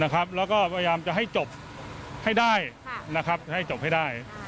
แล้วก็พยายามจะให้จบให้ได้ให้จบให้ได้